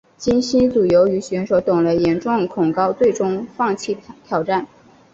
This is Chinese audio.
金星组由于选手董蕾严重恐高最终放弃挑战。